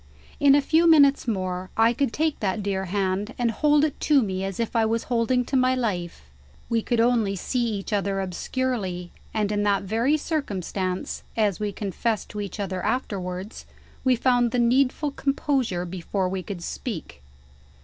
In a few minutes more, I could take that dear hand, and hold it to me as if I was holding to my life. We could only see each other obscurely, and in that very circumstance (as we confessed to each other afterwards) we found the needful composure before we could speak.